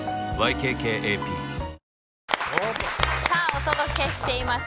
お届けしています